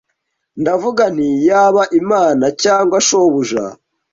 ndavuga nti yaba imana cyangwa shobuja